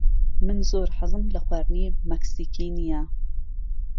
من زۆر حەزم لە خواردنی مەکسیکی نییە.